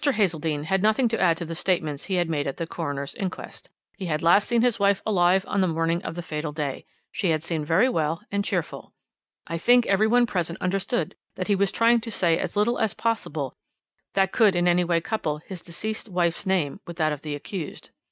Hazeldene had nothing to add to the statements he had made at the coroner's inquest. He had last seen his wife alive on the morning of the fatal day. She had seemed very well and cheerful. "I think every one present understood that he was trying to say as little as possible that could in any way couple his deceased wife's name with that of the accused.